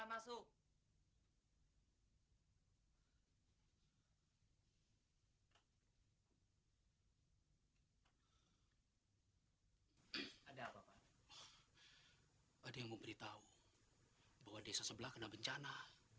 masuk ada yang memberitahu bahwa desa sebelah kena bencana